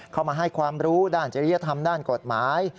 เข้ามาให้ความรู้ด้านจริยธรรมด้านกฎหมาย